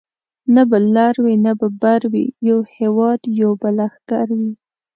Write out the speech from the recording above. نه به لر وي نه به بر وي یو هیواد یو به لښکر وي